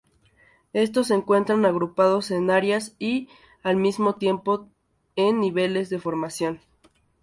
Estos se encuentran agrupados en áreas y al mismo tiempo en niveles de formación.